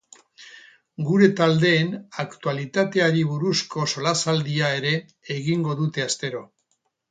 Gure taldeen aktualitateari buruzko solasaldia ere egingo dute astero.